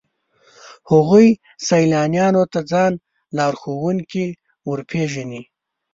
هغوی سیلانیانو ته ځان لارښوونکي ورپېژني.